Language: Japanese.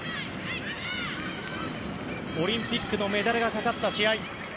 オリンピックのメダルがかかった試合。